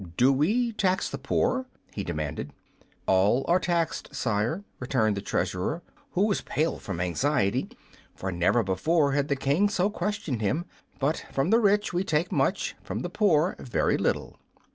"Do we tax the poor?" he demanded. "All are taxed, sire," returned the Treasurer, who was pale from anxiety, for never before had the King so questioned him, "but from the rich we take much, from the poor very little."